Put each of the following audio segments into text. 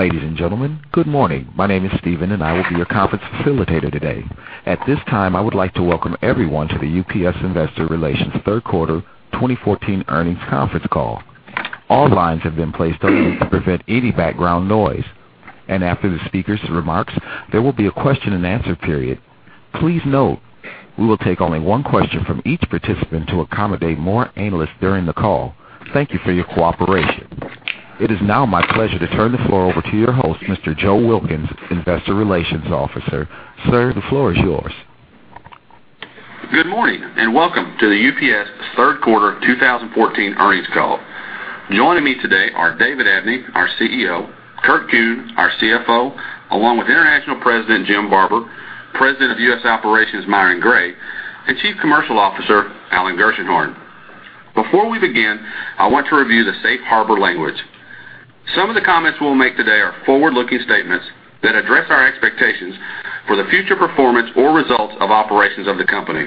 Ladies and gentlemen, good morning. My name is Steven, and I will be your conference facilitator today. At this time, I would like to welcome everyone to the UPS Investor Relations Third Quarter 2014 Earnings Conference Call. All lines have been placed on mute to prevent any background noise, and after the speaker's remarks, there will be a question-and-answer period. Please note, we will take only one question from each participant to accommodate more analysts during the call. Thank you for your cooperation. It is now my pleasure to turn the floor over to your host, Mr. Joe Wilkins, Investor Relations Officer. Sir, the floor is yours. Good morning, and welcome to the UPS Third Quarter of 2014 Earnings Call. Joining me today are David Abney, our CEO, Kurt Kuehn, our CFO, along with International President Jim Barber, President of U.S. Operations Myron Gray, and Chief Commercial Officer Alan Gershenhorn. Before we begin, I want to review the safe harbor language. Some of the comments we'll make today are forward-looking statements that address our expectations for the future performance or results of operations of the company.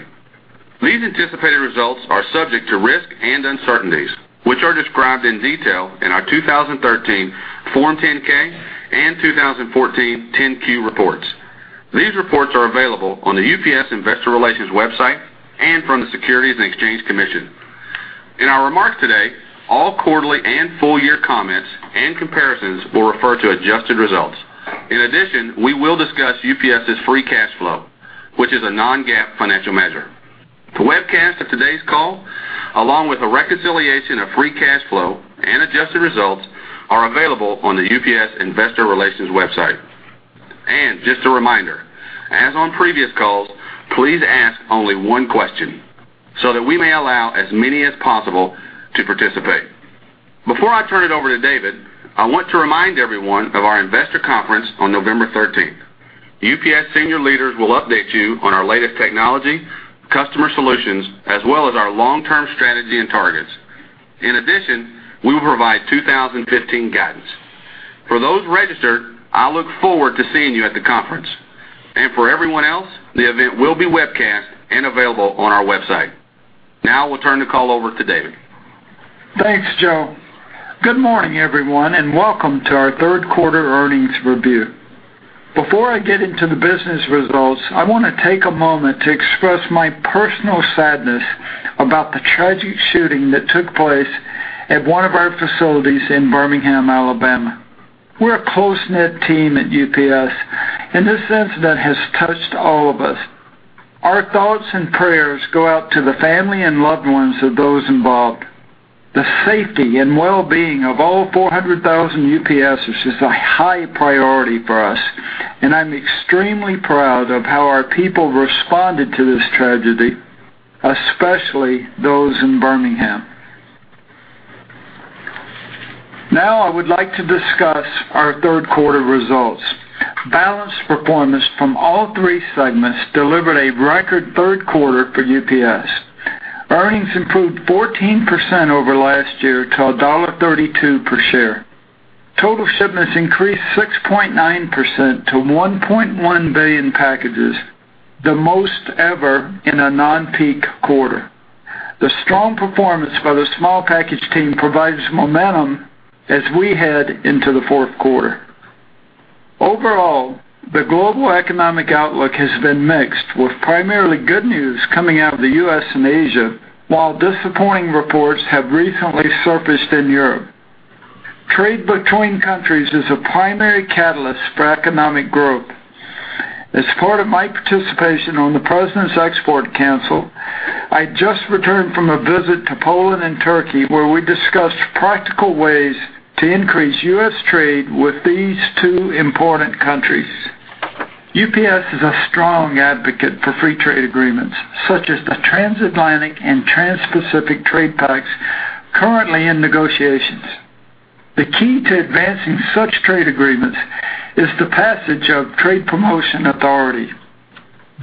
These anticipated results are subject to risk and uncertainties, which are described in detail in our 2013 Form 10-K and 2014 10-Q reports. These reports are available on the UPS Investor Relations website and from the Securities and Exchange Commission. In our remarks today, all quarterly and full-year comments and comparisons will refer to adjusted results. In addition, we will discuss UPS's free cash flow, which is a non-GAAP financial measure. The webcast of today's call, along with a reconciliation of free cash flow and adjusted results, are available on the UPS Investor Relations website. Just a reminder, as on previous calls, please ask only one question so that we may allow as many as possible to participate. Before I turn it over to David, I want to remind everyone of our investor conference on November 13th. UPS senior leaders will update you on our latest technology, customer solutions, as well as our long-term strategy and targets. In addition, we will provide 2015 guidance. For those registered, I look forward to seeing you at the conference. For everyone else, the event will be webcast and available on our website. Now I will turn the call over to David. Thanks, Joe. Good morning, everyone, and welcome to our third quarter earnings review. Before I get into the business results, I want to take a moment to express my personal sadness about the tragic shooting that took place at one of our facilities in Birmingham, Alabama. We're a close-knit team at UPS, and this incident has touched all of us. Our thoughts and prayers go out to the family and loved ones of those involved. The safety and well-being of all 400,000 UPSers is a high priority for us, and I'm extremely proud of how our people responded to this tragedy, especially those in Birmingham. Now I would like to discuss our third quarter results. Balanced performance from all three segments delivered a record third quarter for UPS. Earnings improved 14% over last year to $1.32 per share. Total shipments increased 6.9% to 1.1 billion packages, the most ever in a non-peak quarter. The strong performance by the small package team provides momentum as we head into the fourth quarter. Overall, the global economic outlook has been mixed, with primarily good news coming out of the U.S. and Asia, while disappointing reports have recently surfaced in Europe. Trade between countries is a primary catalyst for economic growth. As part of my participation on the President's Export Council, I just returned from a visit to Poland and Turkey, where we discussed practical ways to increase U.S. trade with these two important countries. UPS is a strong advocate for free trade agreements such as the Transatlantic and Trans-Pacific Trade Pacts currently in negotiations. The key to advancing such trade agreements is the passage of trade promotion authority.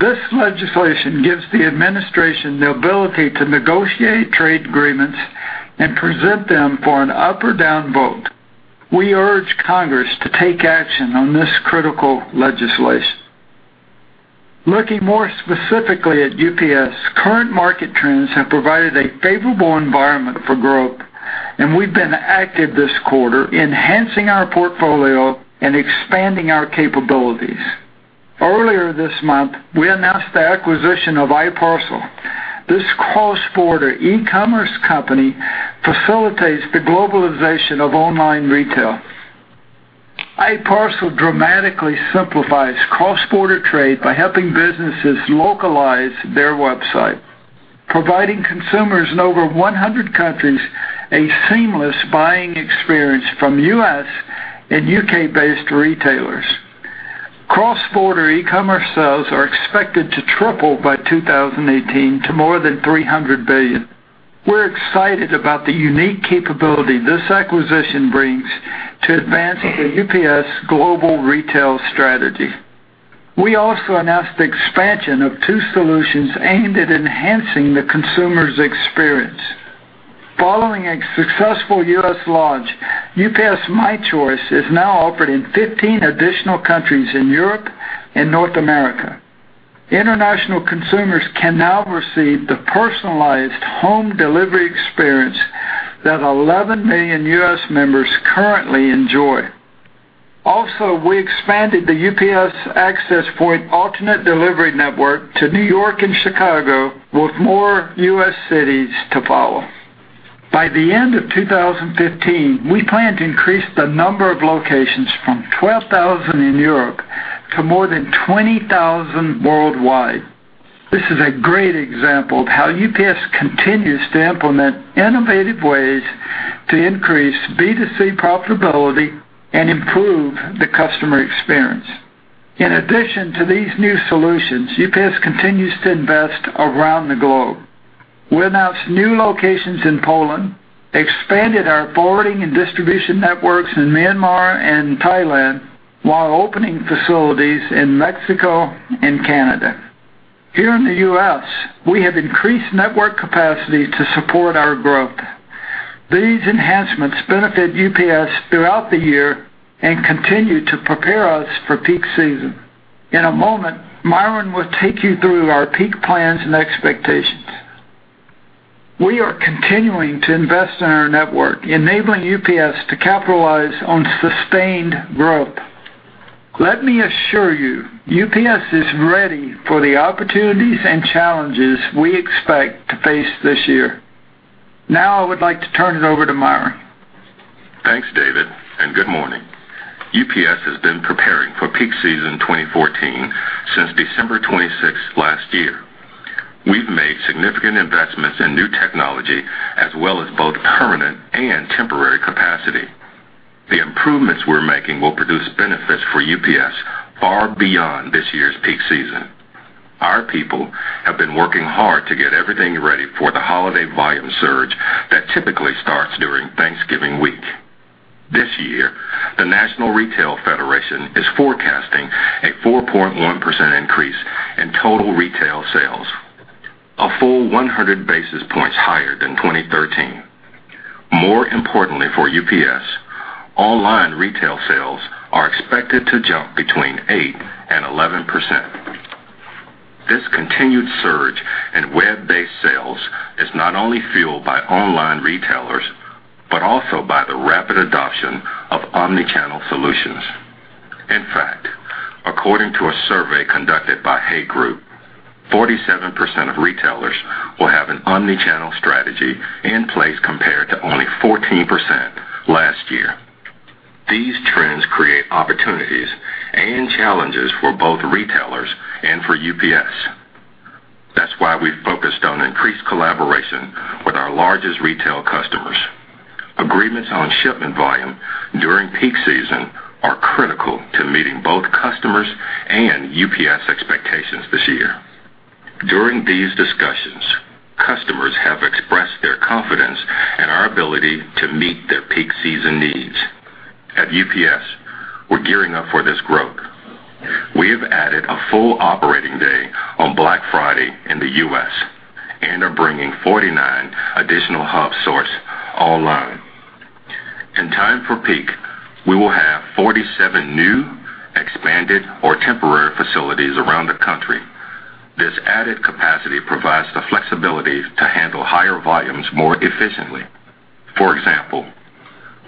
This legislation gives the administration the ability to negotiate trade agreements and present them for an up or down vote. We urge Congress to take action on this critical legislation. Looking more specifically at UPS, current market trends have provided a favorable environment for growth, and we've been active this quarter, enhancing our portfolio and expanding our capabilities. Earlier this month, we announced the acquisition of i-parcel. This cross-border e-commerce company facilitates the globalization of online retail. i-parcel dramatically simplifies cross-border trade by helping businesses localize their website, providing consumers in over 100 countries a seamless buying experience from U.S. and U.K.-based retailers. Cross-border e-commerce sales are expected to triple by 2018 to more than $300 billion. We're excited about the unique capability this acquisition brings to advancing the UPS global retail strategy. We also announced the expansion of two solutions aimed at enhancing the consumer's experience. Following a successful U.S. launch, UPS My Choice is now offered in 15 additional countries in Europe and North America. International consumers can now receive the personalized home delivery experience that 11 million U.S. members currently enjoy. Also, we expanded the UPS Access Point alternate delivery network to New York and Chicago, with more U.S. cities to follow. By the end of 2015, we plan to increase the number of locations from 12,000 in Europe to more than 20,000 worldwide. This is a great example of how UPS continues to implement innovative ways to increase B2C profitability and improve the customer experience. In addition to these new solutions, UPS continues to invest around the globe. We announced new locations in Poland, expanded our forwarding and distribution networks in Myanmar and Thailand, while opening facilities in Mexico and Canada. Here in the U.S., we have increased network capacity to support our growth. These enhancements benefit UPS throughout the year and continue to prepare us for peak season. In a moment, Myron will take you through our peak plans and expectations. We are continuing to invest in our network, enabling UPS to capitalize on sustained growth. Let me assure you, UPS is ready for the opportunities and challenges we expect to face this year. Now, I would like to turn it over to Myron. Thanks, David, and good morning. UPS has been preparing for peak season 2014 since December 26th last year. We've made significant investments in new technology as well as both permanent and temporary capacity. The improvements we're making will produce benefits for UPS far beyond this year's peak season. Our people have been working hard to get everything ready for the holiday volume surge that typically starts during Thanksgiving week. This year, the National Retail Federation is forecasting a 4.1% increase in total retail sales, a full 100 basis points higher than 2013. More importantly for UPS, online retail sales are expected to jump between 8% and 11%. This continued surge in web-based sales is not only fueled by online retailers, but also by the rapid adoption of omni-channel solutions. In fact, according to a survey conducted by Hay Group, 47% of retailers will have an omni-channel strategy in place, compared to only 14% last year. These trends create opportunities and challenges for both retailers and for UPS. That's why we've focused on increased collaboration with our largest retail customers. Agreements on shipment volume during peak season are critical to meeting both customers and UPS expectations this year. During these discussions, customers have expressed their confidence in our ability to meet their peak season needs. At UPS, we're gearing up for this growth. We have added a full operating day on Black Friday in the U.S. and are bringing 49 additional hub sorts online. In time for peak, we will have 47 new, expanded, or temporary facilities around the country. This added capacity provides the flexibility to handle higher volumes more efficiently. For example,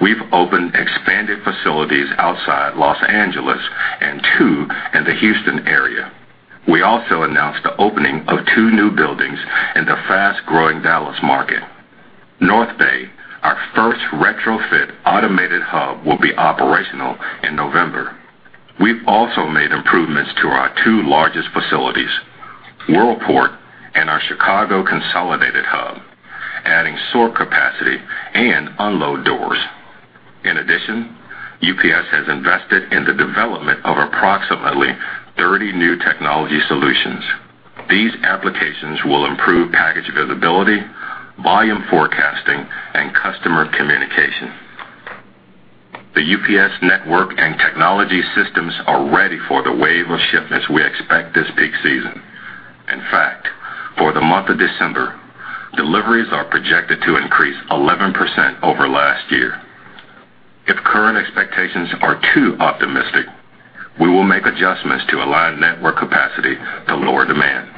we've opened expanded facilities outside Los Angeles and two in the Houston area. We also announced the opening of two new buildings in the fast-growing Dallas market. North Bay, our first retrofit automated hub, will be operational in November. We've also made improvements to our two largest facilities, Worldport and our Chicago Consolidated Hub, adding sort capacity and unload doors. In addition, UPS has invested in the development of approximately 30 new technology solutions. These applications will improve package visibility, volume forecasting, and customer communication. The UPS network and technology systems are ready for the wave of shipments we expect this peak season. In fact, for the month of December, deliveries are projected to increase 11% over last year. If current expectations are too optimistic, we will make adjustments to align network capacity to lower demand.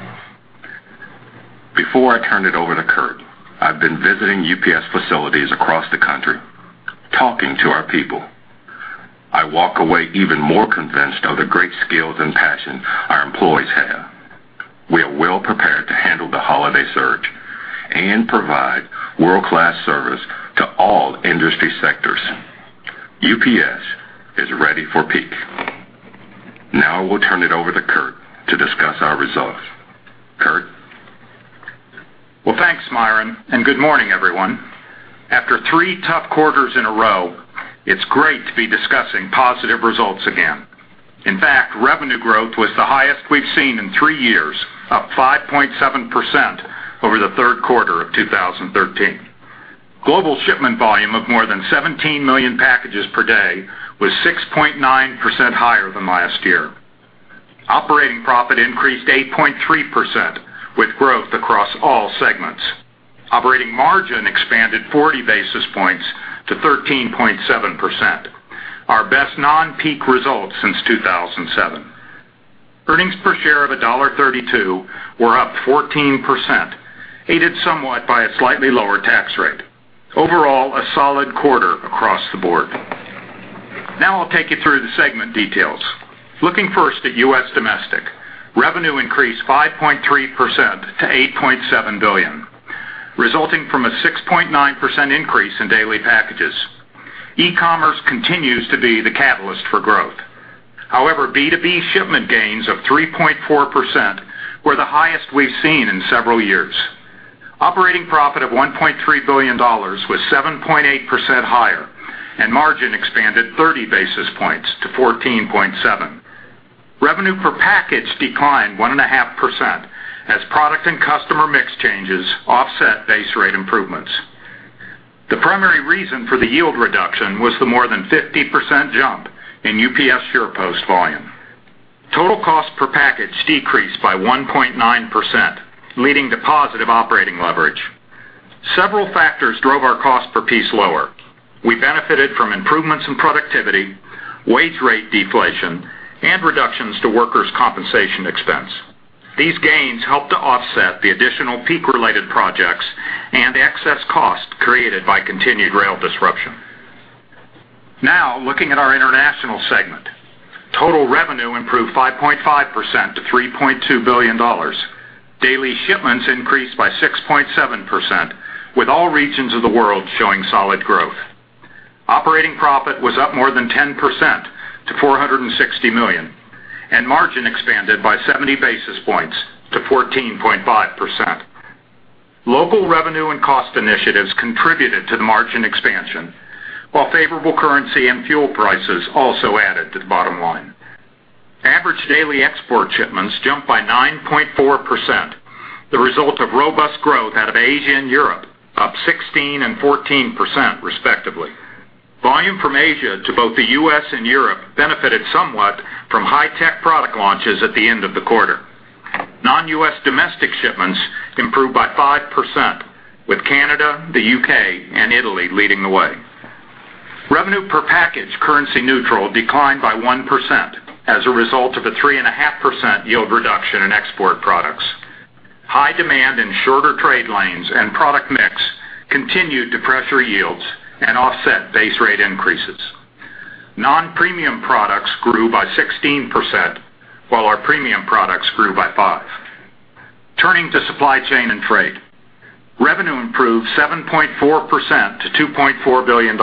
Before I turn it over to Kurt, I've been visiting UPS facilities across the country, talking to our people. I walk away even more convinced of the great skills and passion our employees have. We are well prepared to handle the holiday surge and provide world-class service to all industry sectors. UPS is ready for peak. Now I will turn it over to Kurt to discuss our results. Kurt? Well, thanks, Myron, and good morning, everyone. After three tough quarters in a row, it's great to be discussing positive results again. In fact, revenue growth was the highest we've seen in three years, up 5.7% over the third quarter of 2013. Global shipment volume of more than 17 million packages per day was 6.9% higher than last year. Operating profit increased 8.3%, with growth across all segments. Operating margin expanded 40 basis points to 13.7%, our best non-peak results since 2007. Earnings per share of $1.32 were up 14%, aided somewhat by a slightly lower tax rate. Overall, a solid quarter across the board. Now I'll take you through the segment details. Looking first at U.S. Domestic, revenue increased 5.3% to $8.7 billion, resulting from a 6.9% increase in daily packages. E-commerce continues to be the catalyst for growth. However, B2B shipment gains of 3.4% were the highest we've seen in several years. Operating profit of $1.3 billion was 7.8% higher, and margin expanded 30 basis points to 14.7%. Revenue per package declined 1.5% as product and customer mix changes offset base rate improvements. The primary reason for the yield reduction was the more than 50% jump in UPS SurePost volume. Total cost per package decreased by 1.9%, leading to positive operating leverage. Several factors drove our cost per piece lower. We benefited from improvements in productivity, wage rate deflation, and reductions to workers' compensation expense. These gains helped to offset the additional peak-related projects and excess costs created by continued rail disruption. Now, looking at our International segment, total revenue improved 5.5% to $3.2 billion. Daily shipments increased by 6.7%, with all regions of the world showing solid growth. Operating profit was up more than 10% to $460 million, and margin expanded by 70 basis points to 14.5%. Local revenue and cost initiatives contributed to the margin expansion, while favorable currency and fuel prices also added to the bottom line. Average daily export shipments jumped by 9.4%, the result of robust growth out of Asia and Europe, up 16% and 14%, respectively. Volume from Asia to both the U.S. and Europe benefited somewhat from high-tech product launches at the end of the quarter. Non-U.S. domestic shipments improved by 5%, with Canada, the U.K., and Italy leading the way. Revenue per package, currency neutral, declined by 1% as a result of a 3.5% yield reduction in export products. High demand in shorter trade lanes and product mix continued to pressure yields and offset base rate increases. Non-premium products grew by 16%, while our premium products grew by 5%. Turning to Supply Chain and Trade, revenue improved 7.4% to $2.4 billion,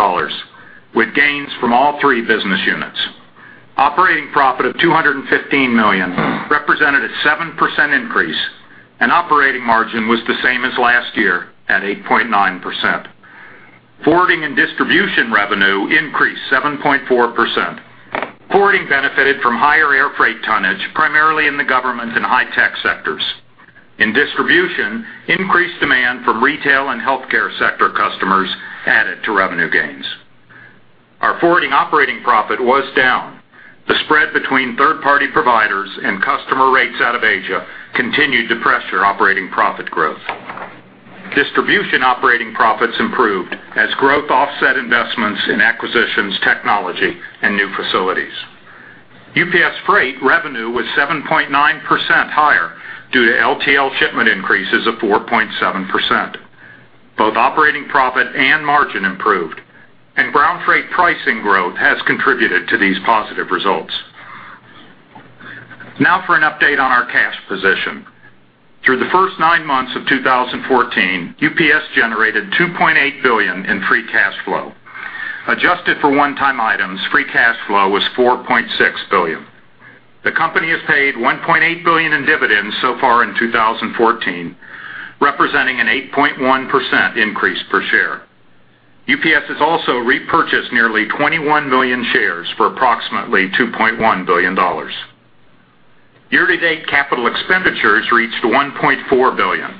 with gains from all three business units. Operating profit of $215 million represented a 7% increase, and operating margin was the same as last year at 8.9%. Forwarding and distribution revenue increased 7.4%. Forwarding benefited from higher air freight tonnage, primarily in the government and high-tech sectors. In distribution, increased demand from retail and healthcare sector customers added to revenue gains. Our forwarding operating profit was down. The spread between third-party providers and customer rates out of Asia continued to pressure operating profit growth. Distribution operating profits improved as growth offset investments in acquisitions, technology, and new facilities. UPS Freight revenue was 7.9% higher due to LTL shipment increases of 4.7%. Both operating profit and margin improved, and ground freight pricing growth has contributed to these positive results. Now for an update on our cash position. Through the first nine months of 2014, UPS generated $2.8 billion in free cash flow. Adjusted for one-time items, free cash flow was $4.6 billion. The company has paid $1.8 billion in dividends so far in 2014, representing an 8.1% increase per share. UPS has also repurchased nearly 21 million shares for approximately $2.1 billion. Year-to-date capital expenditures reached $1.4 billion,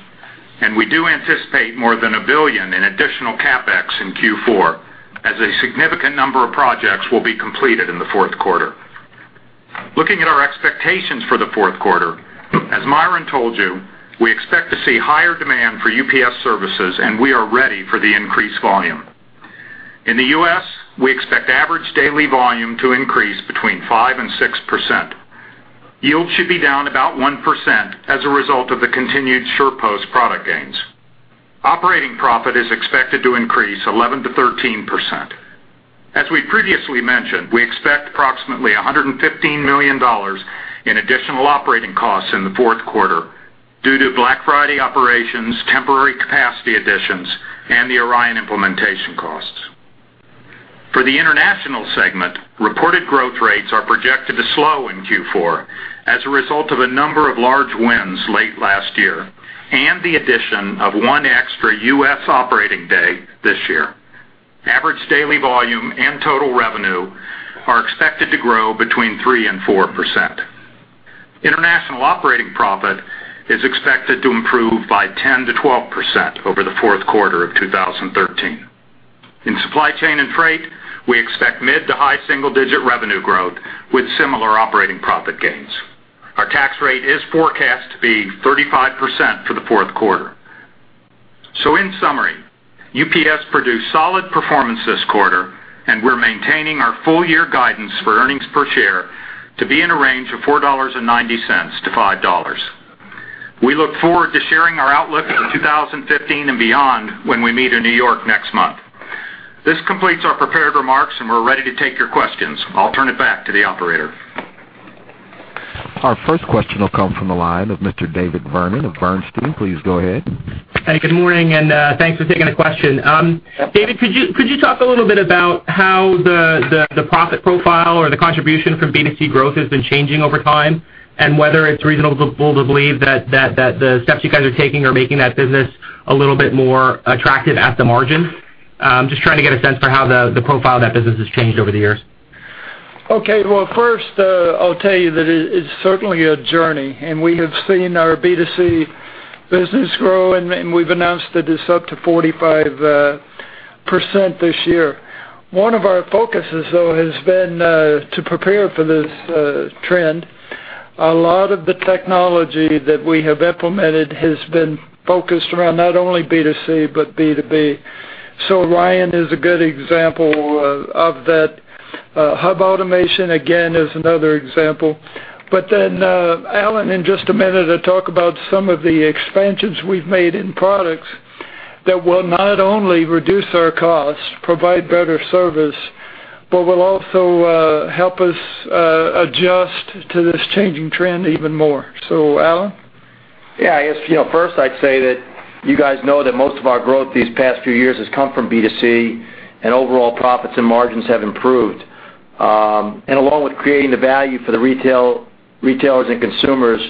and we do anticipate more than $1 billion in additional CapEx in Q4, as a significant number of projects will be completed in the fourth quarter. Looking at our expectations for the fourth quarter, as Myron told you, we expect to see higher demand for UPS services, and we are ready for the increased volume. In the U.S., we expect average daily volume to increase between 5% and 6%. Yield should be down about 1% as a result of the continued SurePost product gains. Operating profit is expected to increase 11%-13%. As we previously mentioned, we expect approximately $115 million in additional operating costs in the fourth quarter due to Black Friday operations, temporary capacity additions, and the ORION implementation costs. For the International segment, reported growth rates are projected to slow in Q4 as a result of a number of large wins late last year and the addition of 1 extra U.S. operating day this year. Average daily volume and total revenue are expected to grow between 3% and 4%. International operating profit is expected to improve by 10%-12% over the fourth quarter of 2013. In Supply Chain and Freight, we expect mid to high single-digit revenue growth with similar operating profit gains. Our tax rate is forecast to be 35% for the fourth quarter. In summary, UPS produced solid performance this quarter, and we're maintaining our full year guidance for earnings per share to be in a range of $4.90-$5. We look forward to sharing our outlook for 2015 and beyond when we meet in New York next month. This completes our prepared remarks, and we're ready to take your questions. I'll turn it back to the operator. Our first question will come from the line of Mr. David Vernon of Bernstein. Please go ahead. Hey, good morning, and, thanks for taking the question. David, could you talk a little bit about how the profit profile or the contribution from B2C growth has been changing over time? And whether it's reasonable to believe that the steps you guys are taking are making that business a little bit more attractive at the margin? Just trying to get a sense for how the profile of that business has changed over the years. Okay. Well, first, I'll tell you that it, it's certainly a journey, and we have seen our B2C business grow, and we've announced that it's up to 45% this year. One of our focuses, though, has been to prepare for this trend. A lot of the technology that we have implemented has been focused around not only B2C, but B2B. So ORION is a good example of that. Hub automation, again, is another example. But then, Alan, in just a minute, will talk about some of the expansions we've made in products that will not only reduce our costs, provide better service, but will also help us adjust to this changing trend even more. So, Alan? Yeah, I guess, you know, first, I'd say that you guys know that most of our growth these past few years has come from B2C, and overall profits and margins have improved. And along with creating the value for the retail- retailers and consumers,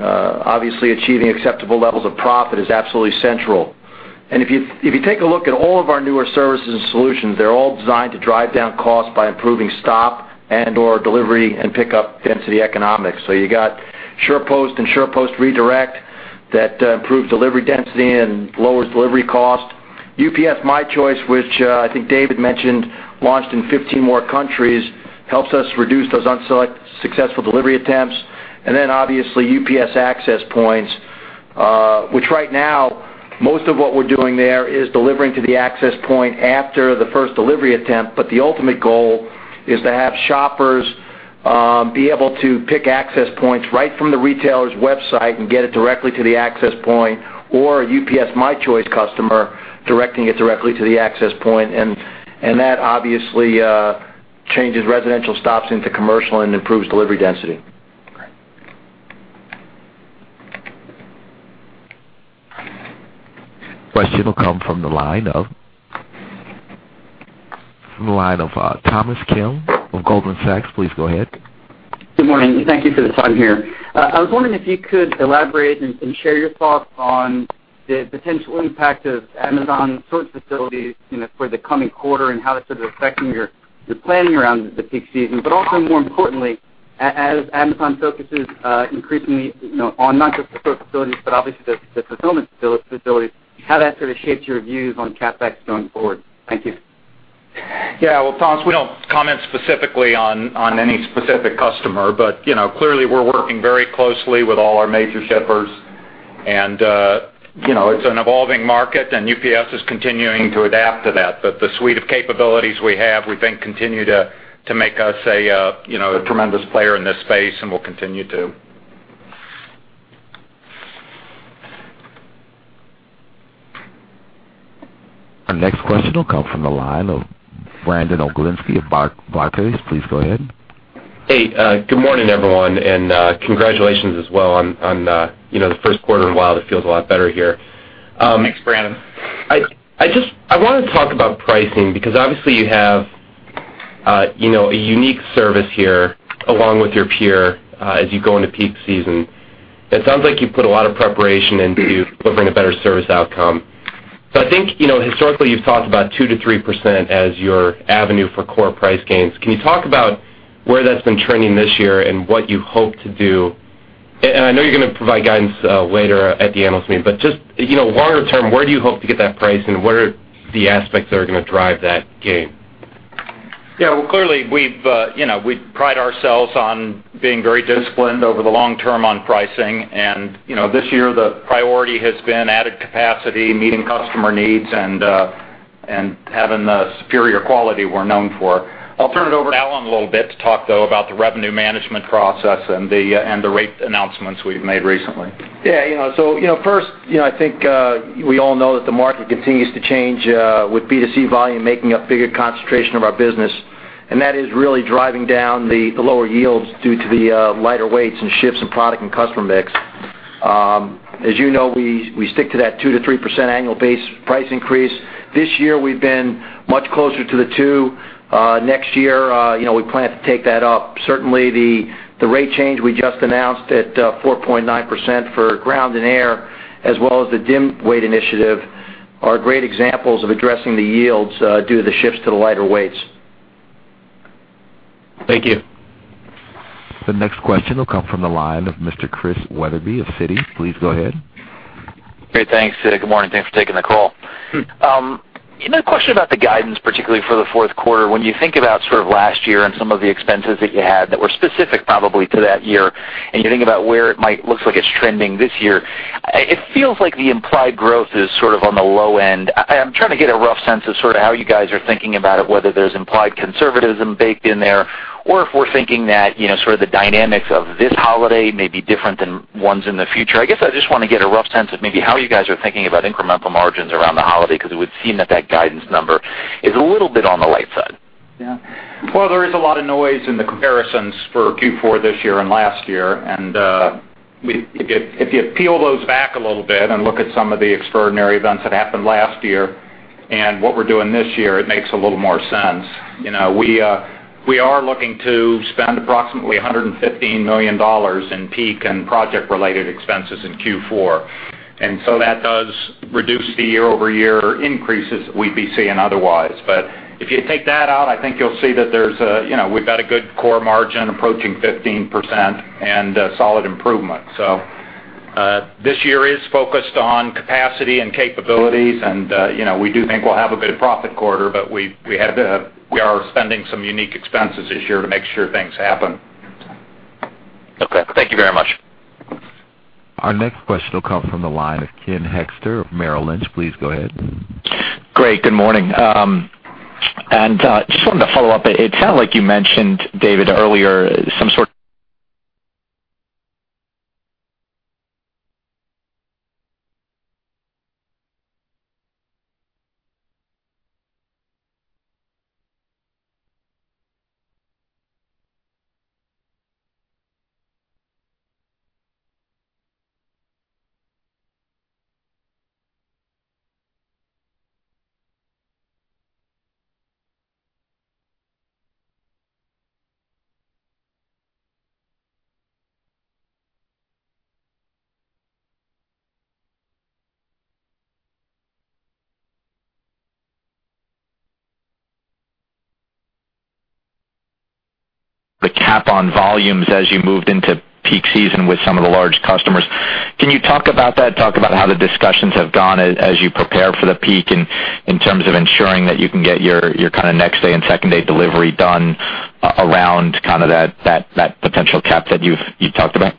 obviously, achieving acceptable levels of profit is absolutely central. And if you, if you take a look at all of our newer services and solutions, they're all designed to drive down costs by improving stop and/or delivery and pickup density economics. So you got SurePost and SurePost Redirect that improve delivery density and lowers delivery cost. UPS My Choice, which, I think David mentioned, launched in 15 more countries, helps us reduce those unsuccessful delivery attempts. And then, obviously, UPS Access Points, which right now, most of what we're doing there is delivering to the access point after the first delivery attempt, but the ultimate goal is to have shoppers be able to pick access points right from the retailer's website and get it directly to the access point, or a UPS My Choice customer, directing it directly to the access point. And that obviously changes residential stops into commercial and improves delivery density. Great. Question will come from the line of Thomas Kim of Goldman Sachs. Please go ahead. Good morning, and thank you for the time here. I was wondering if you could elaborate and share your thoughts on the potential impact of Amazon sort facilities, you know, for the coming quarter and how this is affecting your planning around the peak season. But also, more importantly, as Amazon focuses, increasingly, you know, on not just the sort facilities, but obviously, the fulfillment facilities, how that sort of shapes your views on CapEx going forward? Thank you. Yeah. Well, Thomas, we don't comment specifically on any specific customer, but, you know, clearly, we're working very closely with all our major shippers. And, you know, it's an evolving market, and UPS is continuing to adapt to that. But the suite of capabilities we have, we think, continue to make us a, you know, a tremendous player in this space and will continue to. Our next question will come from the line of Brandon Oglenski of Barclays. Please go ahead. Hey, good morning, everyone, and congratulations as well on, you know, the first quarter in a while that feels a lot better here. Thanks, Brandon. I just want to talk about pricing, because obviously you have, you know, a unique service here, along with your peer, as you go into peak season. It sounds like you've put a lot of preparation into delivering a better service outcome. So I think, you know, historically, you've talked about 2%-3% as your avenue for core price gains. Can you talk about where that's been trending this year and what you hope to do? And I know you're going to provide guidance later at the analyst meeting, but just, you know, longer term, where do you hope to get that price, and what are the aspects that are going to drive that gain? Yeah, well, clearly, we've you know, we pride ourselves on being very disciplined over the long term on pricing. And, you know, this year, the priority has been added capacity, meeting customer needs, and having the superior quality we're known for. I'll turn it over to Alan a little bit to talk, though, about the revenue management process and the rate announcements we've made recently. Yeah, you know, so, you know, first, you know, I think, we all know that the market continues to change, with B2C volume making a bigger concentration of our business, and that is really driving down the, the lower yields due to the, lighter weights and shifts in product and customer mix. As you know, we, we stick to that 2%-3% annual base price increase. This year, we've been much closer to the 2%. Next year, you know, we plan to take that up. Certainly, the, the rate change we just announced at, 4.9% for ground and air, as well as the dim weight initiative, are great examples of addressing the yields, due to the shifts to the lighter weights. Thank you. The next question will come from the line of Mr. Chris Wetherbee of Citi. Please go ahead. Great, thanks. Good morning, thanks for taking the call. .Another question about the guidance, particularly for the fourth quarter. When you think about sort of last year and some of the expenses that you had that were specific probably to that year, and you think about where it might looks like it's trending this year, it feels like the implied growth is sort of on the low end. I'm trying to get a rough sense of sort of how you guys are thinking about it, whether there's implied conservatism baked in there, or if we're thinking that, you know, sort of the dynamics of this holiday may be different than ones in the future. I guess I just want to get a rough sense of maybe how you guys are thinking about incremental margins around the holiday, 'cause it would seem that that guidance number is a little bit on the light side. Yeah. Well, there is a lot of noise in the comparisons for Q4 this year and last year. And, we, if you, if you peel those back a little bit and look at some of the extraordinary events that happened last year and what we're doing this year, it makes a little more sense. You know, we are looking to spend approximately $115 million in peak and project-related expenses in Q4, and so that does reduce the year-over-year increases we'd be seeing otherwise. But if you take that out, I think you'll see that there's a, you know, we've got a good core margin approaching 15% and, solid improvement. This year is focused on capacity and capabilities, and, you know, we do think we'll have a good profit quarter, but we, we had to—we are spending some unique expenses this year to make sure things happen. Okay. Thank you very much. Our next question will come from the line of Ken Hoexter of Merrill Lynch. Please go ahead. Great. Good morning. Just wanted to follow up. It's kind of like you mentioned, David, earlier, some sort- the cap on volumes as you moved into peak season with some of the large customers. Can you talk about that? Talk about how the discussions have gone as you prepare for the peak in terms of ensuring that you can get your kind of next day and second day delivery done around kind of that potential cap that you've talked about?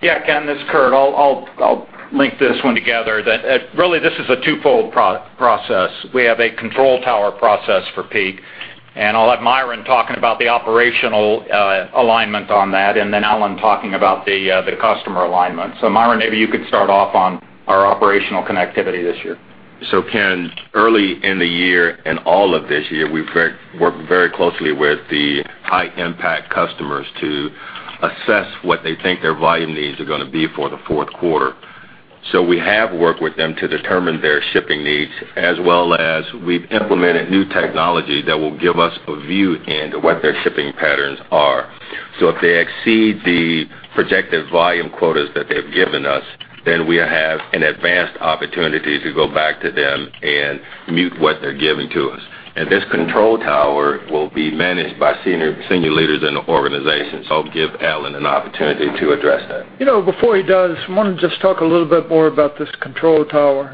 Yeah, Ken, this is Kurt. I'll link this one together. That really this is a twofold process. We have a control tower process for peak, and I'll let Myron talking about the operational alignment on that, and then Alan talking about the customer alignment. So Myron, maybe you could start off on our operational connectivity this year. So, Ken, early in the year and all of this year, we've worked very closely with the high-impact customers to assess what they think their volume needs are gonna be for the fourth quarter. So we have worked with them to determine their shipping needs, as well as we've implemented new technology that will give us a view into what their shipping patterns are. So if they exceed the projected volume quotas that they've given us, then we have an advanced opportunity to go back to them and mute what they're giving to us. And this control tower will be managed by senior, senior leaders in the organization. So I'll give Alan an opportunity to address that. You know, before he does, I wanna just talk a little bit more about this control tower.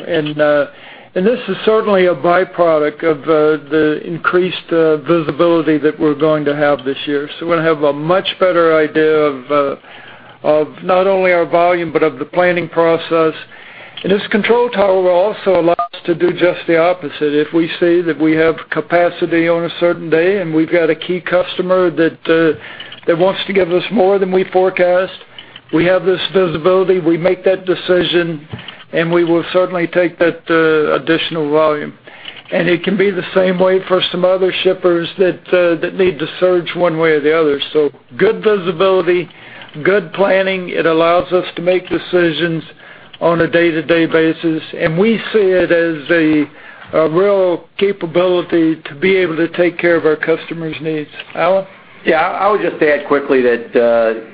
And this is certainly a byproduct of the increased visibility that we're going to have this year. So we're gonna have a much better idea of not only our volume, but of the planning process. And this control tower will also allow us to do just the opposite. If we see that we have capacity on a certain day, and we've got a key customer that wants to give us more than we forecast, we have this visibility, we make that decision, and we will certainly take that additional volume. And it can be the same way for some other shippers that need to surge one way or the other. So good visibility, good planning, it allows us to make decisions on a day-to-day basis, and we see it as a real capability to be able to take care of our customers' needs. Alan? Yeah, I would just add quickly that,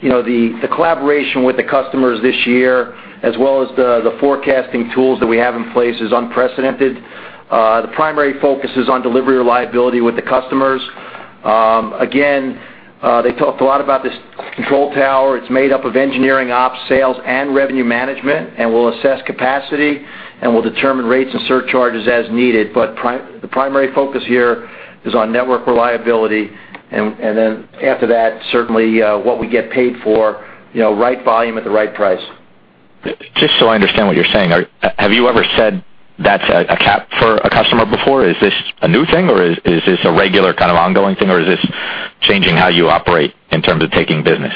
you know, the collaboration with the customers this year, as well as the forecasting tools that we have in place, is unprecedented. The primary focus is on delivery reliability with the customers. Again, they talked a lot about this control tower. It's made up of engineering, ops, sales, and revenue management, and we'll assess capacity, and we'll determine rates and surcharges as needed. But the primary focus here is on network reliability, and then after that, certainly, what we get paid for, you know, right volume at the right price. Just so I understand what you're saying, have you ever said that's a cap for a customer before? Is this a new thing, or is this a regular kind of ongoing thing, or is this changing how you operate in terms of taking business?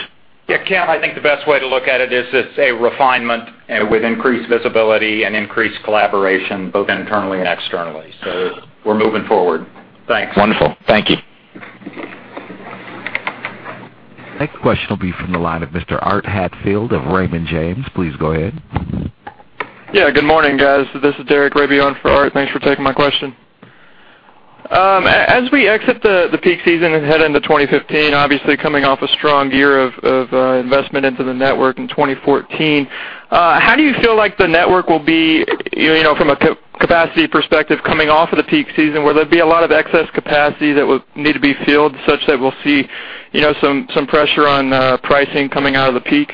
Yeah, Ken, I think the best way to look at it is it's a refinement with increased visibility and increased collaboration, both internally and externally. So we're moving forward. Thanks. Wonderful. Thank you. Next question will be from the line of Mr. Art Hatfield of Raymond James. Please go ahead. Yeah, good morning, guys. This is Derek Raby for Art. Thanks for taking my question. As we exit the peak season and head into 2015, obviously coming off a strong year of investment into the network in 2014, how do you feel like the network will be, you know, from a capacity perspective, coming off of the peak season, will there be a lot of excess capacity that would need to be filled, such that we'll see, you know, some pressure on pricing coming out of the peak?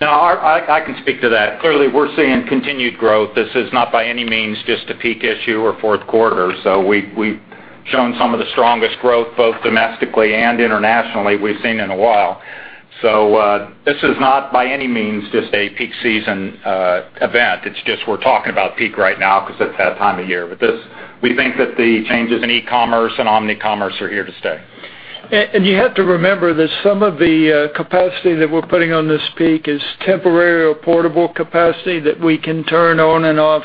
No, I can speak to that. Clearly, we're seeing continued growth. This is not by any means just a peak issue or fourth quarter. So we, we've shown some of the strongest growth, both domestically and internationally, we've seen in a while. So, this is not by any means just a peak season, event. It's just we're talking about peak right now because it's that time of year. But this, we think that the changes in e-commerce and omni-commerce are here to stay. You have to remember that some of the capacity that we're putting on this peak is temporary or portable capacity that we can turn on and off,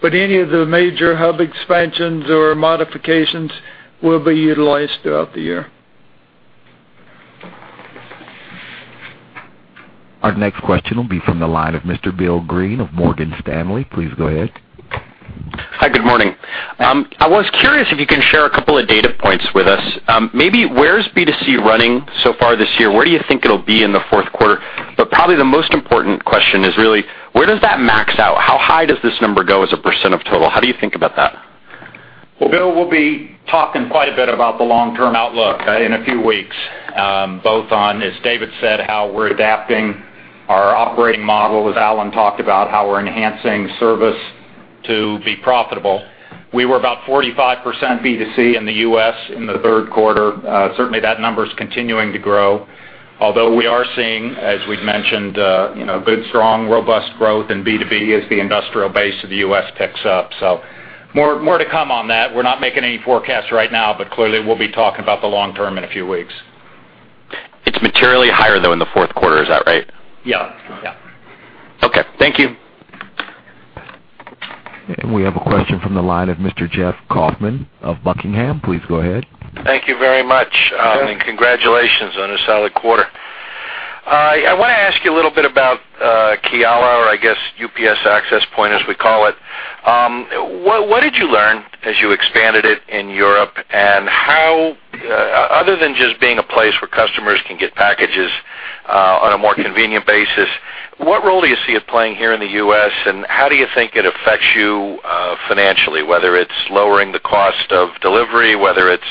but any of the major hub expansions or modifications will be utilized throughout the year. Our next question will be from the line of Mr. Bill Greene of Morgan Stanley. Please go ahead. Hi, good morning. I was curious if you can share a couple of data points with us. Maybe where's B2C running so far this year? Where do you think it'll be in the fourth quarter? But probably the most important question is really, where does that max out? How high does this number go as a percent of total? How do you think about that? Well, Bill, we'll be talking quite a bit about the long-term outlook in a few weeks, both on, as David said, how we're adapting our operating model, as Alan talked about, how we're enhancing service to be profitable. We were about 45% B2C in the U.S. in the third quarter. Certainly, that number is continuing to grow, although we are seeing, as we'd mentioned, you know, good, strong, robust growth in B2B as the industrial base of the U.S. picks up. So more, more to come on that. We're not making any forecasts right now, but clearly, we'll be talking about the long term in a few weeks. It's materially higher, though, in the fourth quarter. Is that right? Yeah. Yeah. Okay. Thank you. We have a question from the line of Mr. Jeff Kauffman of Buckingham. Please go ahead. Thank you very much, and congratulations on a solid quarter. I want to ask you a little bit about Kiala, or I guess, UPS Access Point, as we call it. What did you learn as you expanded it in Europe? And how, other than just being a place where customers can get packages on a more convenient basis, what role do you see it playing here in the US, and how do you think it affects you financially, whether it's lowering the cost of delivery, whether it's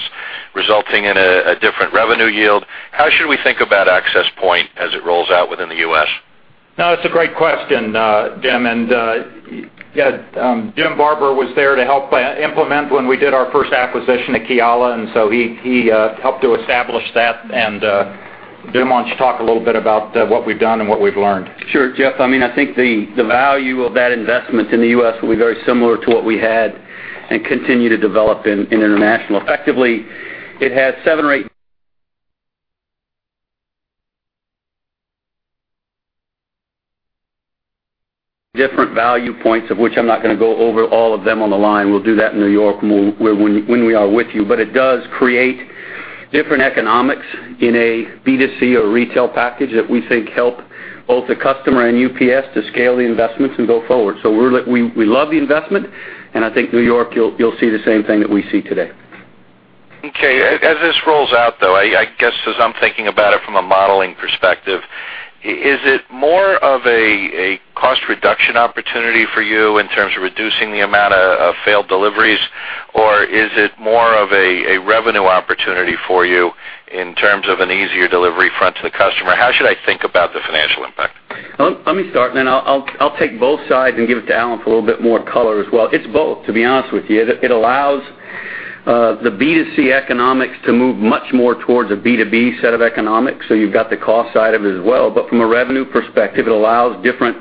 resulting in a different revenue yield? How should we think about Access Point as it rolls out within the US? No, it's a great question, Jim. And yeah, Jim Barber was there to help implement when we did our first acquisition at Kiala, and so he helped to establish that. And Jim, why don't you talk a little bit about what we've done and what we've learned? Sure, Jeff. I mean, I think the value of that investment in the U.S. will be very similar to what we had and continue to develop in international. Effectively, it has seven or eight... Different value points, of which I'm not going to go over all of them on the line. We'll do that in New York when we are with you. But it does create different economics in a B2C or retail package that we think help both the customer and UPS to scale the investments and go forward. So we love the investment, and I think, New York, you'll see the same thing that we see today. Okay. As this rolls out, though, I guess, as I'm thinking about it from a modeling perspective, is it more of a cost reduction opportunity for you in terms of reducing the amount of failed deliveries? Or is it more of a revenue opportunity for you in terms of an easier delivery front to the customer? How should I think about the financial impact? Well, let me start, then I'll, I'll take both sides and give it to Alan for a little bit more color as well. It's both, to be honest with you. It, it allows, the B2C economics to move much more towards a B2B set of economics, so you've got the cost side of it as well. But from a revenue perspective, it allows different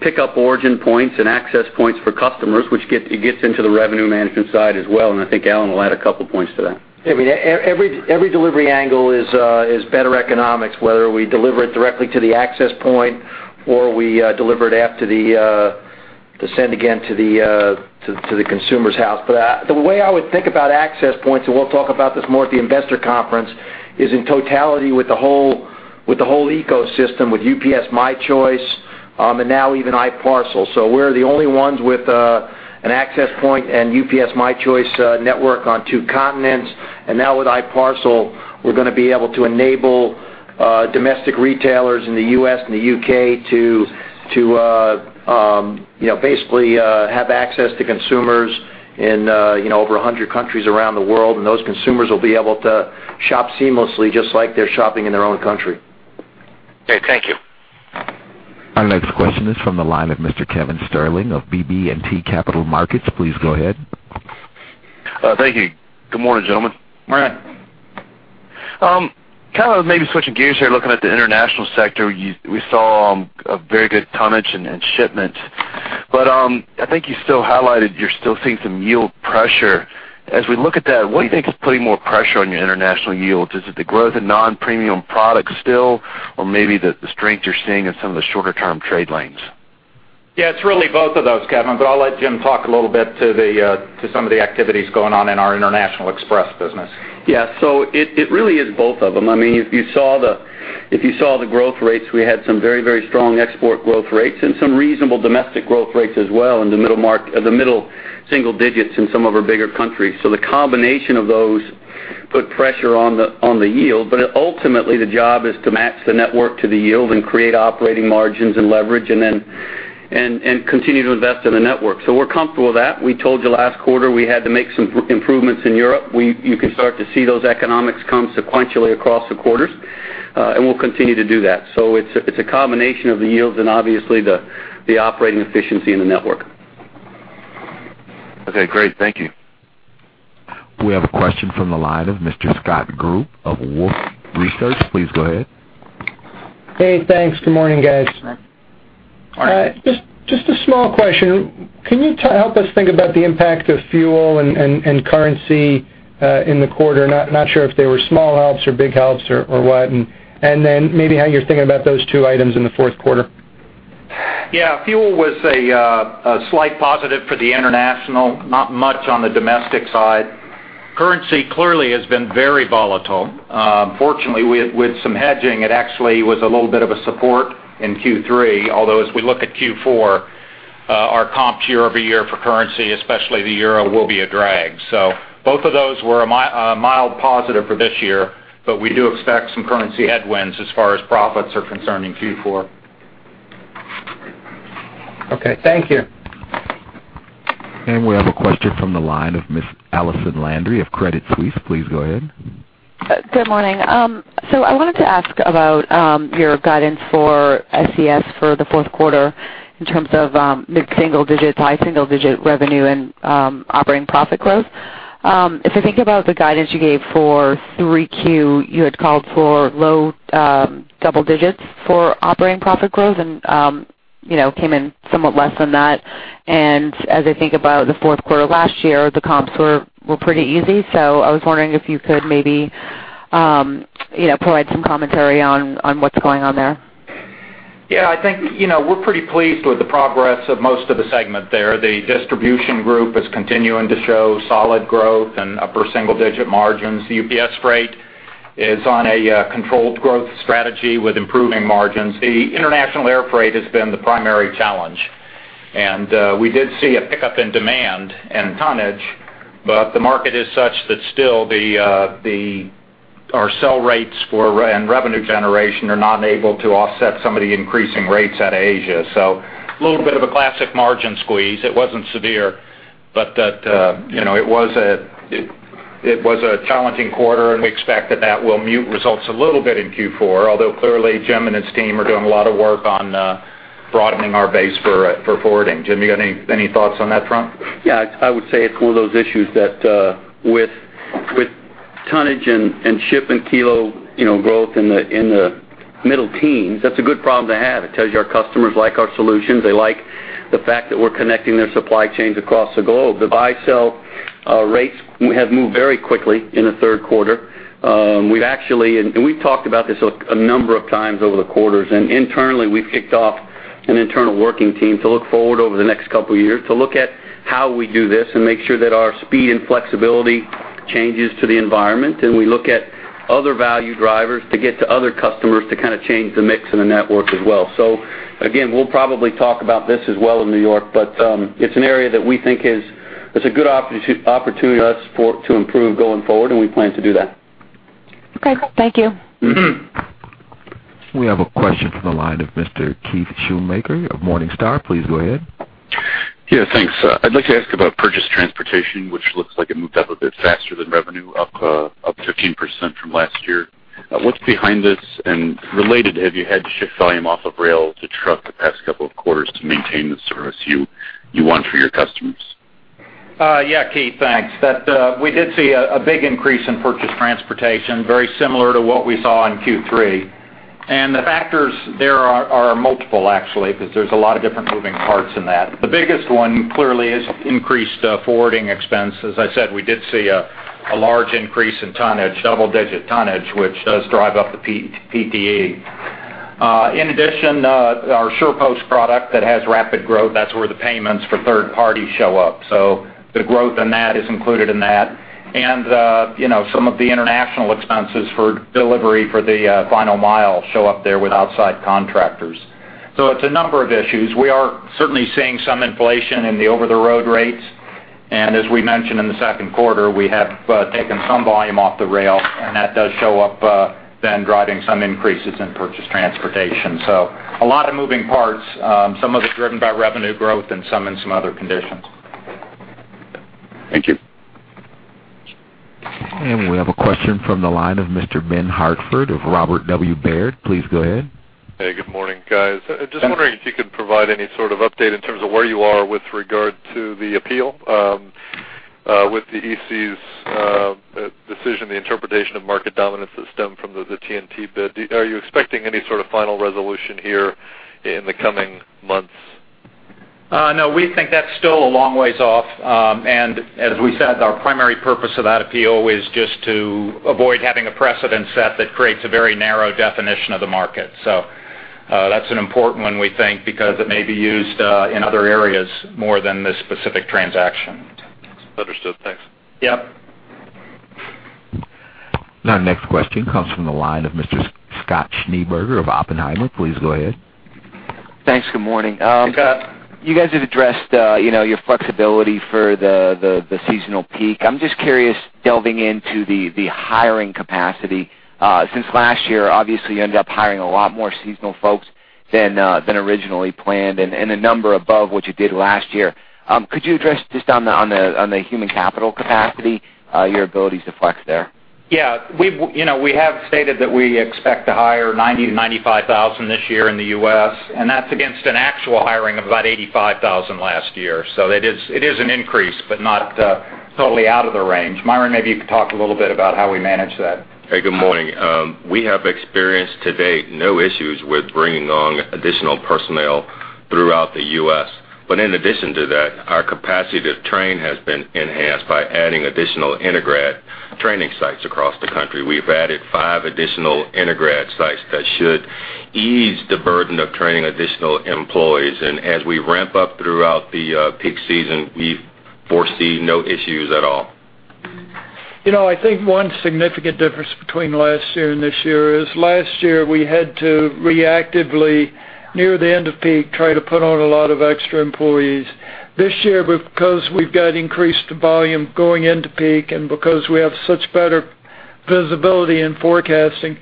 pickup origin points and access points for customers, which get-- it gets into the revenue management side as well, and I think Alan will add a couple points to that. Every delivery angle is better economics, whether we deliver it directly to the Access Point or we deliver it after the send again to the consumer's house. But the way I would think about Access Points, and we'll talk about this more at the investor conference, is in totality with the whole ecosystem, with UPS My Choice, and now even i-parcel. So we're the only ones with an Access Point and UPS My Choice network on two continents. And now with i-parcel, we're going to be able to enable domestic retailers in the US and the UK to you know, basically, have access to consumers in you know, over 100 countries around the world. Those consumers will be able to shop seamlessly just like they're shopping in their own country. Okay, thank you. Our next question is from the line of Mr. Kevin Sterling of BB&T Capital Markets. Please go ahead. Thank you. Good morning, gentlemen. Morning. Kind of maybe switching gears here, looking at the international sector, we saw a very good tonnage in shipments. But, I think you still highlighted you're still seeing some yield pressure. As we look at that, what do you think is putting more pressure on your international yields? Is it the growth in non-premium products still, or maybe the, the strength you're seeing in some of the shorter-term trade lanes? Yeah, it's really both of those, Kevin, but I'll let Jim talk a little bit to some of the activities going on in our international express business. Yeah, so it, it really is both of them. I mean, if you saw the growth rates, we had some very, very strong export growth rates and some reasonable domestic growth rates as well in the middle mark, the middle single digits in some of our bigger countries. So the combination of those put pressure on the yield, but ultimately, the job is to match the network to the yield and create operating margins and leverage, and then ... and continue to invest in the network. So we're comfortable with that. We told you last quarter, we had to make some improvements in Europe. You can start to see those economics come sequentially across the quarters, and we'll continue to do that. So it's a combination of the yields and obviously the operating efficiency in the network. Okay, great. Thank you. We have a question from the line of Mr. Scott Group of Wolfe Research. Please go ahead. Hey, thanks. Good morning, guys. Good morning. Just a small question. Can you help us think about the impact of fuel and currency in the quarter? Not sure if they were small helps or big helps or what, and then maybe how you're thinking about those two items in the fourth quarter. Yeah. Fuel was a slight positive for the international, not much on the domestic side. Currency, clearly, has been very volatile. Fortunately, with some hedging, it actually was a little bit of a support in Q3, although as we look at Q4, our comps year-over-year for currency, especially the euro, will be a drag. So both of those were a mild positive for this year, but we do expect some currency headwinds as far as profits are concerned in Q4. Okay. Thank you. We have a question from the line of Ms. Allison Landry of Credit Suisse. Please go ahead. Good morning. So I wanted to ask about your guidance for SCS for the fourth quarter in terms of mid-single digit to high single digit revenue and operating profit growth. If I think about the guidance you gave for 3Q, you had called for low double digits for operating profit growth and you know, came in somewhat less than that. And as I think about the fourth quarter last year, the comps were pretty easy. So I was wondering if you could maybe you know, provide some commentary on what's going on there. Yeah, I think, you know, we're pretty pleased with the progress of most of the segment there. The distribution group is continuing to show solid growth and upper single digit margins. The UPS Freight is on a controlled growth strategy with improving margins. The international air freight has been the primary challenge, and we did see a pickup in demand and tonnage, but the market is such that still our sell rates for revenue generation are not able to offset some of the increasing rates out of Asia. So a little bit of a classic margin squeeze. It wasn't severe, but that, you know, it was a challenging quarter, and we expect that that will mute results a little bit in Q4, although clearly, Jim and his team are doing a lot of work on, broadening our base for, for forwarding. Jim, you got any thoughts on that front? Yeah, I would say it's one of those issues that with tonnage and ship and kilo, you know, growth in the middle teens, that's a good problem to have. It tells you our customers like our solutions. They like the fact that we're connecting their supply chains across the globe. The buy-sell rates have moved very quickly in the third quarter. We've actually, and we've talked about this a number of times over the quarters, and internally, we've kicked off an internal working team to look forward over the next couple of years to look at how we do this and make sure that our speed and flexibility changes to the environment. And we look at other value drivers to get to other customers to kind of change the mix in the network as well. Again, we'll probably talk about this as well in New York, but it's an area that we think is a good opportunity for us to improve going forward, and we plan to do that. Okay, thank you. We have a question from the line of Mr. Keith Schoonmaker of Morningstar. Please go ahead. Yeah, thanks. I'd like to ask about purchased transportation, which looks like it moved up a bit faster than revenue, up 15% from last year. What's behind this? And related, have you had to shift volume off of rail to truck the past couple of quarters to maintain the service you want for your customers? Yeah, Keith, thanks. That, we did see a big increase in purchased transportation, very similar to what we saw in Q3. And the factors there are multiple, actually, because there's a lot of different moving parts in that. The biggest one, clearly, is increased forwarding expense. As I said, we did see a large increase in tonnage, double-digit tonnage, which does drive up the PTE. In addition, our SurePost product that has rapid growth, that's where the payments for third parties show up. So the growth in that is included in that. And, you know, some of the international expenses for delivery for the final mile show up there with outside contractors. So it's a number of issues. We are certainly seeing some inflation in the over-the-road rates, and as we mentioned in the second quarter, we have taken some volume off the rail, and that does show up then driving some increases in purchased transportation. So a lot of moving parts, some of it driven by revenue growth and some in some other conditions. Thank you. We have a question from the line of Mr. Ben Hartford of Robert W. Baird. Please go ahead. Hey, good morning, guys. I just wondering if you could provide any sort of update in terms of where you are with regard to the appeal, with the EC's decision, the interpretation of market dominance that stemmed from the TNT bid. Are you expecting any sort of final resolution here in the coming months? No, we think that's still a long ways off. As we said, our primary purpose of that appeal is just to avoid having a precedent set that creates a very narrow definition of the market. So, that's an important one, we think, because it may be used in other areas more than this specific transaction. Understood. Thanks. Yep. Our next question comes from the line of Mr. Scott Schneeberger of Oppenheimer. Please go ahead. Thanks. Good morning. You guys have addressed, you know, your flexibility for the seasonal peak. I'm just curious, delving into the hiring capacity. Since last year, obviously, you ended up hiring a lot more seasonal folks than originally planned, and a number above what you did last year. Could you address just on the human capital capacity, your ability to flex there? Yeah, we've, you know, we have stated that we expect to hire 90,000-95,000 this year in the U.S., and that's against an actual hiring of about 85,000 last year. So it is, it is an increase, but not totally out of the range. Myron, maybe you could talk a little bit about how we manage that. Hey, good morning. We have experienced to date, no issues with bringing on additional personnel throughout the U.S. But in addition to that, our capacity to train has been enhanced by adding additional Integrad training sites across the country. We've added five additional Integrad sites that should ease the burden of training additional employees. And as we ramp up throughout the peak season, we foresee no issues at all. You know, I think one significant difference between last year and this year is last year, we had to reactively, near the end of peak, try to put on a lot of extra employees. This year, because we've got increased volume going into peak, and because we have such better visibility in forecasting,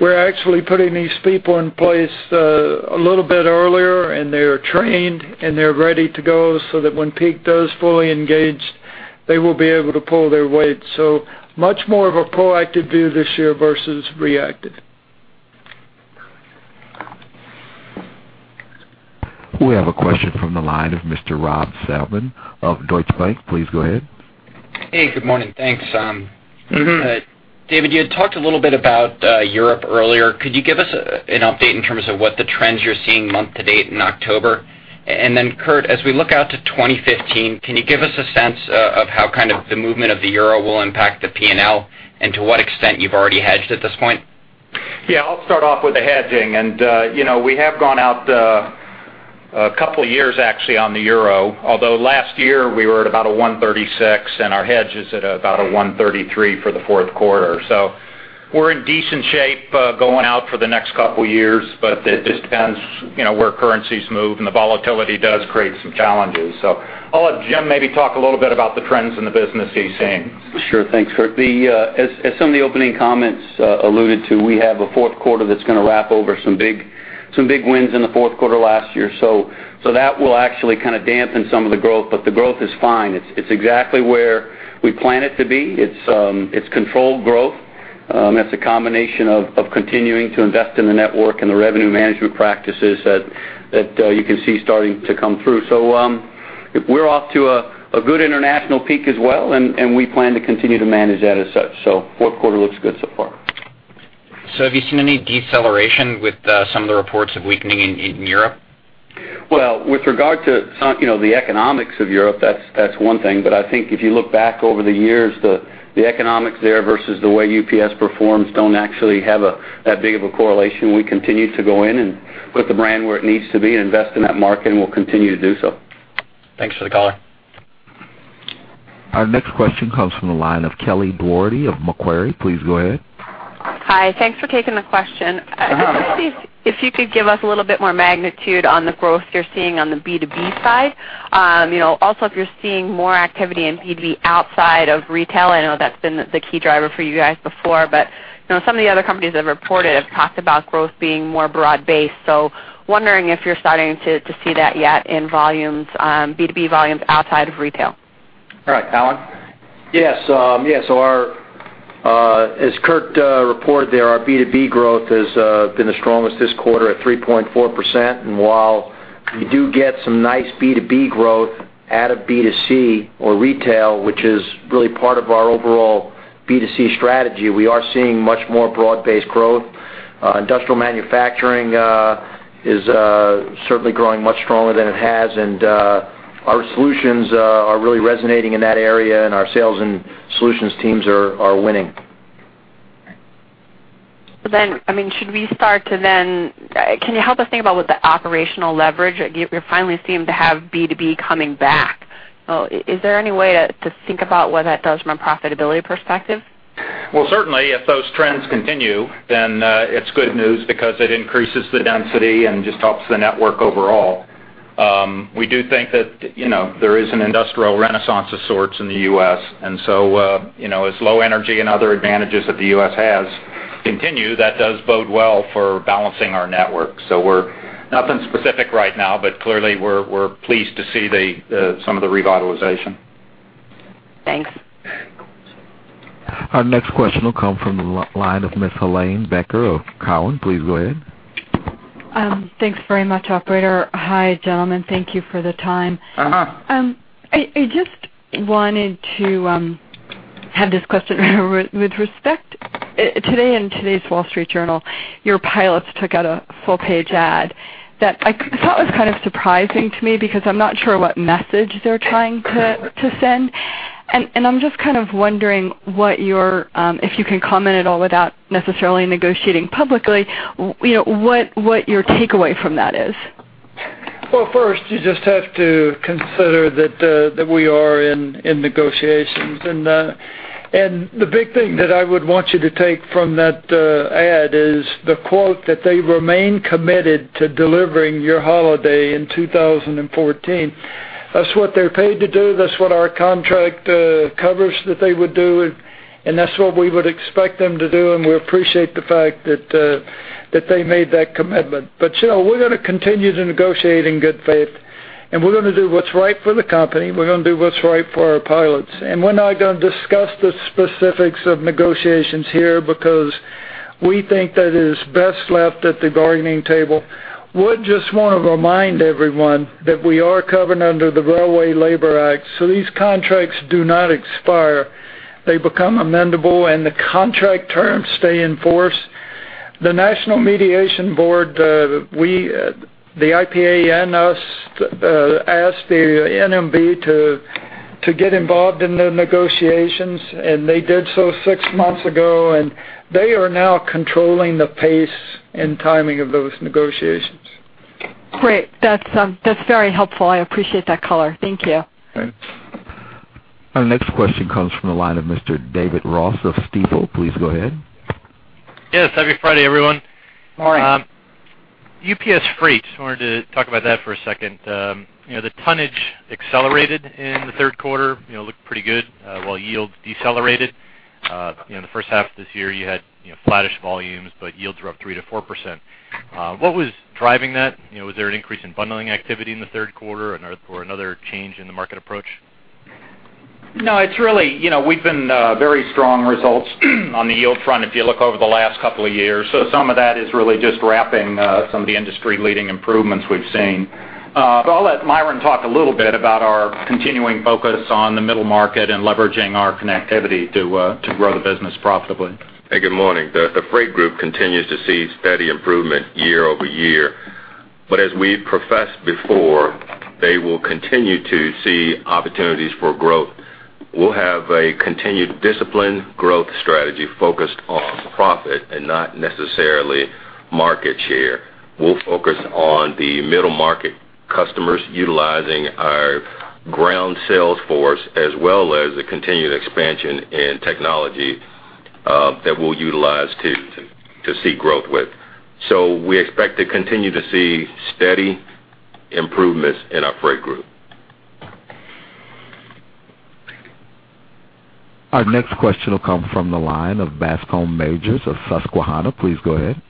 we're actually putting these people in place a little bit earlier, and they're trained, and they're ready to go so that when peak does fully engage, they will be able to pull their weight. So much more of a proactive view this year versus reactive. We have a question from the line of Mr. Rob Salmon of Deutsche Bank. Please go ahead. Hey, good morning. Thanks, Mm-hmm. David, you had talked a little bit about Europe earlier. Could you give us an update in terms of what the trends you're seeing month to date in October? And then, Kurt, as we look out to 2015, can you give us a sense of how kind of the movement of the euro will impact the P&L, and to what extent you've already hedged at this point? Yeah, I'll start off with the hedging. You know, we have gone out a couple years, actually, on the euro, although last year, we were at about a 1.36, and our hedge is at about a 1.33 for the fourth quarter. So we're in decent shape, going out for the next couple years, but it, it depends, you know, where currencies move, and the volatility does create some challenges. So I'll let Jim maybe talk a little bit about the trends in the business he's seeing. Sure. Thanks, Kurt. The, as some of the opening comments alluded to, we have a fourth quarter that's going to wrap over some big, some big wins in the fourth quarter last year. So, that will actually kind of dampen some of the growth, but the growth is fine. It's exactly where we plan it to be. It's controlled growth. It's a combination of continuing to invest in the network and the revenue management practices that you can see starting to come through. So, we're off to a good international peak as well, and we plan to continue to manage that as such. So fourth quarter looks good so far. Have you seen any deceleration with some of the reports of weakening in Europe? Well, with regard to some, you know, the economics of Europe, that's one thing. But I think if you look back over the years, the economics there versus the way UPS performs don't actually have that big of a correlation. We continue to go in and put the brand where it needs to be and invest in that market, and we'll continue to do so. Thanks for the color. Our next question comes from the line of Kelly Dougherty of Macquarie. Please go ahead. Hi. Thanks for taking the question. Uh-huh. I want to see if you could give us a little bit more magnitude on the growth you're seeing on the B2B side? You know, also, if you're seeing more activity in B2B outside of retail, I know that's been the key driver for you guys before, but, you know, some of the other companies that have reported have talked about growth being more broad-based, so wondering if you're starting to see that yet in volumes, B2B volumes outside of retail? All right, Alan? Yes, yes, so our, as Kurt reported there, our B2B growth has been the strongest this quarter at 3.4%. And while we do get some nice B2B growth out of B2C or retail, which is really part of our overall B2C strategy, we are seeing much more broad-based growth. Industrial manufacturing is certainly growing much stronger than it has, and our solutions are really resonating in that area, and our sales and solutions teams are winning. So then, I mean, should we start to then... Can you help us think about what the operational leverage? You, you finally seem to have B2B coming back. Well, is there any way to, to think about what that does from a profitability perspective? Well, certainly, if those trends continue, then, it's good news because it increases the density and just helps the network overall. We do think that, you know, there is an industrial renaissance of sorts in the U.S., and so, you know, as low energy and other advantages that the U.S. has continue, that does bode well for balancing our network. So we're nothing specific right now, but clearly, we're, we're pleased to see the, some of the revitalization. Thanks. Our next question will come from the line of Miss Helane Becker of Cowen. Please go ahead. Thanks very much, operator. Hi, gentlemen. Thank you for the time. Uh-huh. I just wanted to have this question with respect. Today in today's Wall Street Journal, your pilots took out a full-page ad that I thought was kind of surprising to me because I'm not sure what message they're trying to send. And I'm just kind of wondering what your, if you can comment at all without necessarily negotiating publicly, you know, what your takeaway from that is? Well, first, you just have to consider that we are in negotiations. And the big thing that I would want you to take from that ad is the quote that they remain committed to delivering your holiday in 2014. That's what they're paid to do. That's what our contract covers that they would do, and that's what we would expect them to do, and we appreciate the fact that they made that commitment. But, you know, we're gonna continue to negotiate in good faith, and we're gonna do what's right for the company. We're gonna do what's right for our pilots, and we're not gonna discuss the specifics of negotiations here because we think that it is best left at the bargaining table. Would just want to remind everyone that we are covered under the Railway Labor Act, so these contracts do not expire. They become amendable, and the contract terms stay in force. The National Mediation Board, the IPA asked the NMB to get involved in the negotiations, and they did so six months ago, and they are now controlling the pace and timing of those negotiations. Great. That's, that's very helpful. I appreciate that color. Thank you. Thanks. Our next question comes from the line of Mr. David Ross of Stifel. Please go ahead. Yes, happy Friday, everyone. Morning. UPS Freight, I wanted to talk about that for a second. You know, the tonnage accelerated in the third quarter, you know, looked pretty good, while yield decelerated. You know, in the first half of this year, you had, you know, flattish volumes, but yields were up 3%-4%. What was driving that? You know, was there an increase in bundling activity in the third quarter or another change in the market approach? No, it's really you know, we've been very strong results on the yield front if you look over the last couple of years. So some of that is really just wrapping some of the industry-leading improvements we've seen. But I'll let Myron talk a little bit about our continuing focus on the middle market and leveraging our connectivity to grow the business profitably. Hey, good morning. The Freight group continues to see steady improvement year-over-year. But as we've professed before, they will continue to see opportunities for growth. We'll have a continued disciplined growth strategy focused on profit and not necessarily market share. We'll focus on the middle-market customers utilizing our ground sales force, as well as the continued expansion in technology that we'll utilize to see growth with. So we expect to continue to see steady improvements in our Freight group. Our next question will come from the line of Bascome Majors of Susquehanna. Please go ahead.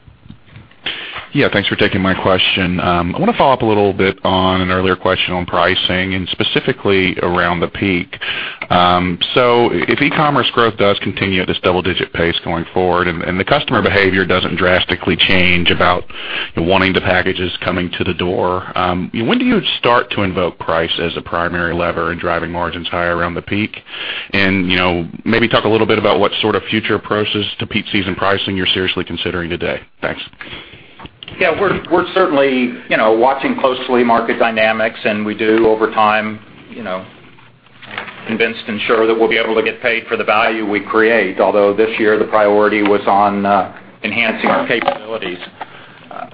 Yeah, thanks for taking my question. I want to follow up a little bit on an earlier question on pricing and specifically around the peak. So if e-commerce growth does continue at this double-digit pace going forward, and the customer behavior doesn't drastically change about wanting the packages coming to the door, when do you start to invoke price as a primary lever in driving margins higher around the peak? And, you know, maybe talk a little bit about what sort of future approaches to peak season pricing you're seriously considering today. Thanks. Yeah, we're certainly, you know, watching closely market dynamics, and we do over time, you know, continue to ensure that we'll be able to get paid for the value we create, although this year, the priority was on enhancing our capabilities.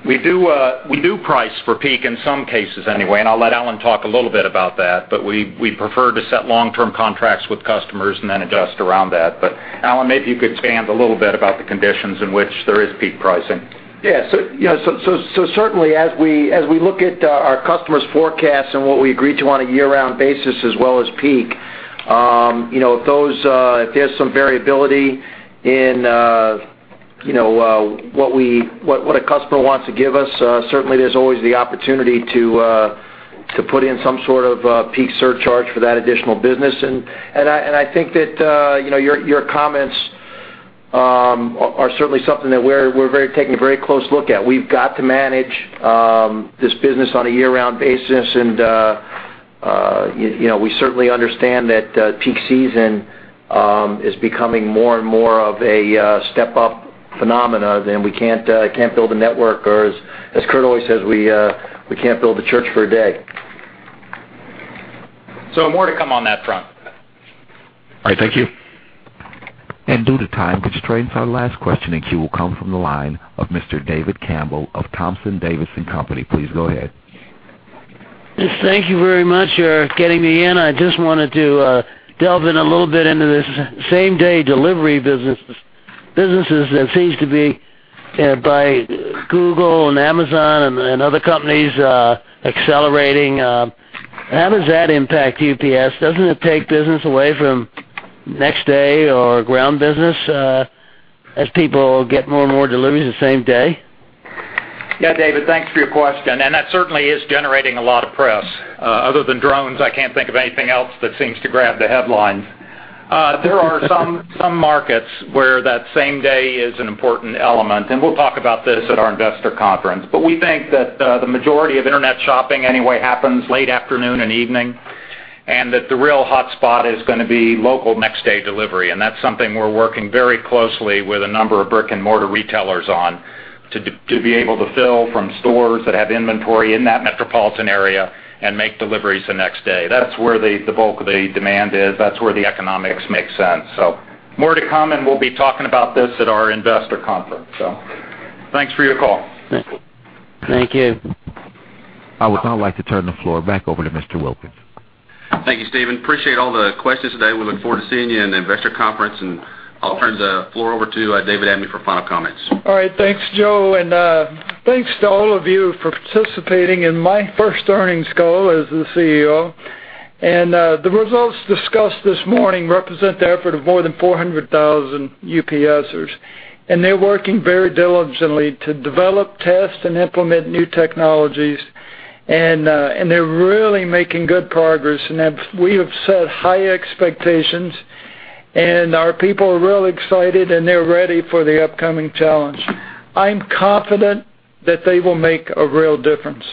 We do price for peak in some cases anyway, and I'll let Alan talk a little bit about that, but we prefer to set long-term contracts with customers and then adjust around that. But Alan, maybe you could expand a little bit about the conditions in which there is peak pricing. Yeah. So, you know, certainly, as we look at our customers' forecasts and what we agree to on a year-round basis, as well as peak, you know, if there's some variability in what a customer wants to give us, certainly there's always the opportunity to put in some sort of peak surcharge for that additional business. And I think that, you know, your comments are certainly something that we're taking a very close look at. We've got to manage this business on a year-round basis, and, you know, we certainly understand that peak season is becoming more and more of a step-up phenomenon that we can't build a network, or as Kurt always says, we can't build the church for a day. More to come on that front. All right. Thank you. Due to time constraint, our last question in queue will come from the line of Mr. David Campbell of Thompson Davis & Co. Please go ahead. Yes, thank you very much for getting me in. I just wanted to delve in a little bit into this same-day delivery business- businesses that seems to be by Google and Amazon and, and other companies accelerating. How does that impact UPS? Doesn't it take business away from next day or ground business as people get more and more deliveries the same day? Yeah, David, thanks for your question, and that certainly is generating a lot of press. Other than drones, I can't think of anything else that seems to grab the headlines. There are some markets where that same day is an important element, and we'll talk about this at our investor conference. But we think that the majority of internet shopping anyway happens late afternoon and evening, and that the real hotspot is gonna be local next-day delivery, and that's something we're working very closely with a number of brick-and-mortar retailers on, to be able to fill from stores that have inventory in that metropolitan area and make deliveries the next day. That's where the bulk of the demand is. That's where the economics make sense. So more to come, and we'll be talking about this at our investor conference. So thanks for your call. Thank you. I would now like to turn the floor back over to Mr. Wilkins. Thank you, Steven. Appreciate all the questions today. We look forward to seeing you in the investor conference, and I'll turn the floor over to David Abney for final comments. All right. Thanks, Joe, and thanks to all of you for participating in my first earnings call as the CEO. The results discussed this morning represent the effort of more than 400,000 UPSers, and they're working very diligently to develop, test, and implement new technologies. They're really making good progress, and we have set high expectations, and our people are really excited, and they're ready for the upcoming challenge. I'm confident that they will make a real difference.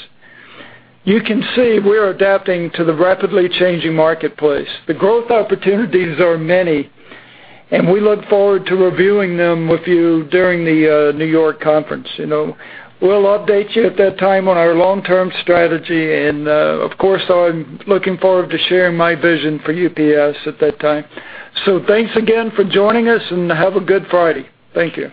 You can see we're adapting to the rapidly changing marketplace. The growth opportunities are many, and we look forward to reviewing them with you during the New York conference. You know, we'll update you at that time on our long-term strategy, and of course, I'm looking forward to sharing my vision for UPS at that time. Thanks again for joining us, and have a good Friday. Thank you.